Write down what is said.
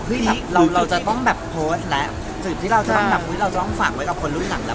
เราเราจะต้องแบบโพสต์แล้วสิ่งที่เราจะต้องแบบเราจะต้องฝากไว้กับคนรุ่นหลังแล้ว